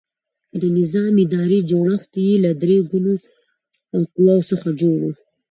د نظام اداري جوړښت یې له درې ګونو قواوو څخه جوړ و.